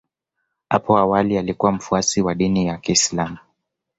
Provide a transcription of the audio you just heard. Apo awali alikuwa mfuasi wa dini ya Kiislam